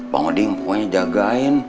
bang odin pokoknya jagain